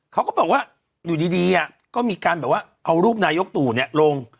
เขาก็บอกว่าอยู่ดีก็มีการแบบว่าเอารูปนายกตู่ลง